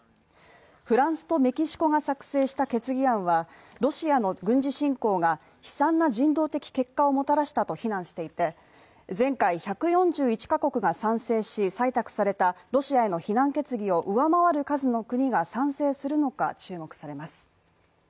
フランスとメキシコが作成した決議案は、ロシアの軍事侵攻が悲惨な人道的結果をもたらしたと非難していて前回、１４１カ国が賛成し、採択されたロシアへの非難決議を上回る数の国が賛成するのか、注目されます。